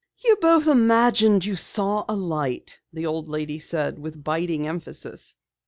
"You both imagined you saw a light," the old lady said with biting emphasis.